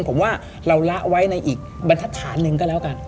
ผมว่าเราละไว้ในอีกบรรทัศนหนึ่งก็แล้วกัน